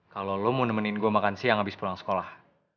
kalau lo mau nemenin gue makan siang habis pulang sekolah